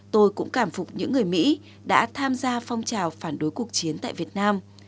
tôi cũng cảm phục những người mỹ đã tham gia phong trào phản đối cuộc chiến tại việt nam